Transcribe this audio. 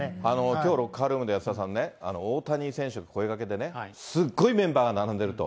きょう、ロッカールームでさんね、大谷選手の声かけでね、すごいメンバーが並んでると。